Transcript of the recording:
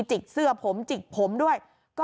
จิกเสื้อผมจิกผมด้วย